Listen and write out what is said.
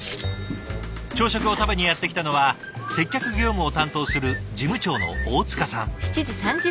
朝食を食べにやって来たのは接客業務を担当する事務長の大塚さん。